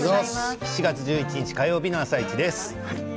７月１１日火曜日の「あさイチ」です。